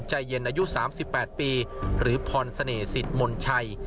ใจเย็นอายุ๓๘ปีหรือพรเสน่หสิทธิ์มนชัย